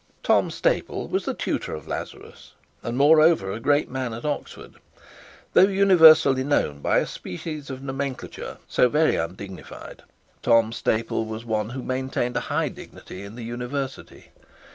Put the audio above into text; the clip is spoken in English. Tom Staple was the Tutor of Lazarus, and moreover a great man at Oxford. Though universally known by a species of nomenclature as very undignified. Tom Staple was one who maintained a high dignity in the University.